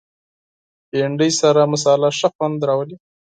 بېنډۍ سره مصالحه ښه خوند راولي